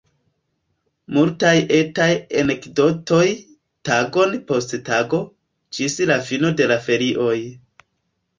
Multaj etaj anekdotoj, tagon post tago, ĝis la fino de la ferioj.